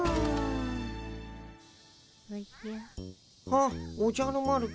あっおじゃる丸くん。